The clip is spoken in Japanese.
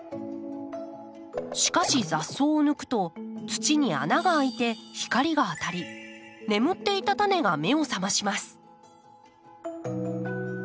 しかし雑草を抜くと土に穴が開いて光が当たり眠っていたタネが目を覚まします。